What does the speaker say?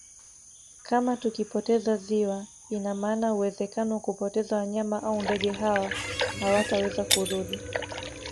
Kama tukipoteza ziwa ina maana uwezekano wa kupoteza wanyama au ndege hawa hawataweza kurudi